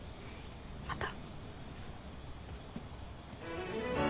また。